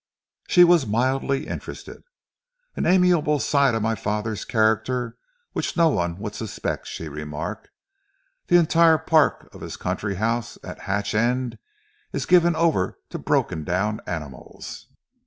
She was mildly interested. "An amiable side of my father's character which no one would suspect," she remarked. "The entire park of his country house at Hatch End is given over to broken down animals."